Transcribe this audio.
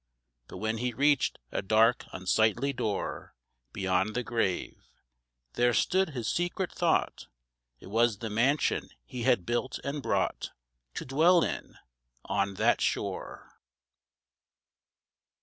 But when he reached a dark unsightly door Beyond the grave, there stood his secret thought. It was the mansion he had built and brought To dwell in, on that shore.